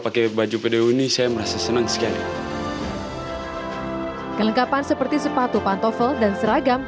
pakai baju pdi ini saya merasa senang sekali kelengkapan seperti sepatu pantofel dan seragam